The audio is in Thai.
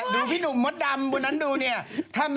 ได้ข่าวนิดเดียวครับ